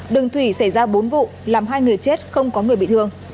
đường thủy xảy ra bốn vụ làm hai người chết không có người bị thương